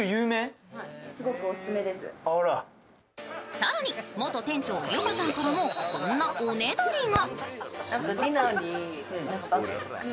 更に、元店長ゆかさんからもこんなおねだりが。